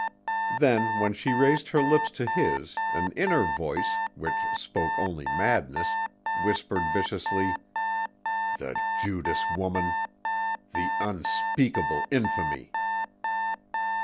Then when she raised her lips to his an inner voice, which spoke only madness, whispered viciously, "The Judas woman! The unspeakable infamy!"